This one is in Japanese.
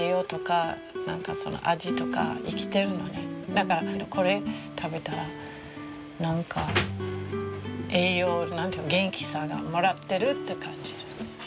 だからこれ食べたら栄養元気さをもらってるって感じる。